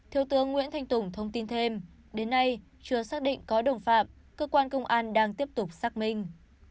thiếu tướng nguyễn thanh tùng thông tin thêm đến nay chưa xác định có đồng phạm cơ quan công an đang tiếp tục xác minh